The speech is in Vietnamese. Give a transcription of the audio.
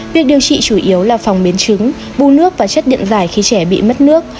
việc điều trị chủ yếu là phòng biến chứng bu nước và chất điện giải khi trẻ bị mất nước